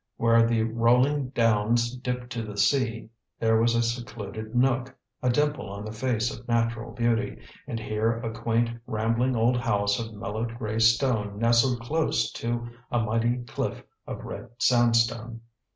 Where the rolling downs dipped to the sea, there was a secluded nook a dimple on the face of natural beauty, and here a quaint, rambling old house of mellowed grey stone nestled close to a mighty cliff of red sandstone.